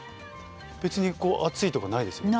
別にこう熱いとかないですよね？